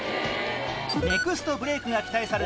ネクストブレークが期待される